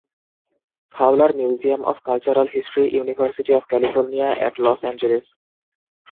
Fowler museum of cultural history, university of California at Los Angeles